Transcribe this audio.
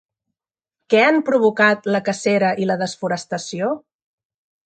Què han provocat la cacera i la desforestació?